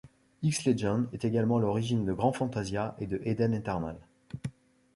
X-Legend est également à l'origine de Grand Fantasia et de Eden Eternal.